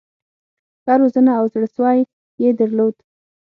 ښه روزنه او زړه سوی یې درلود.